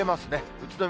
宇都宮、